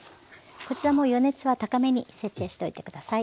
こちらも予熱は高めに設定しておいて下さい。